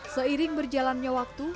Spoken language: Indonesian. seiring berjalannya waktu